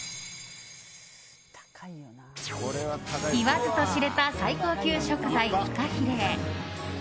言わずと知れた最高級食材フカヒレ。